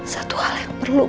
satu hal yang perlu kamu tau